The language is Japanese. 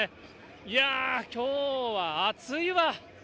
いやー、きょうは暑いわ。